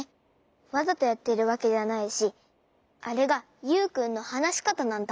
わざとやっているわけではないしあれがユウくんのはなしかたなんだ。